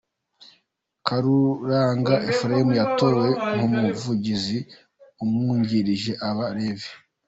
Karuranga Ephrem yatowe nk’Umuvugizi; Umwungirije aba Rev.